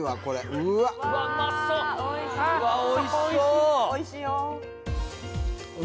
うわおいしそう・